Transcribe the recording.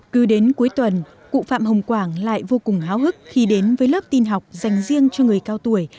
cứ đến cuối tuần cụ phạm hồng quảng lại vô cùng háo hức khi đến với lớp tin học dành riêng cho người cao tuổi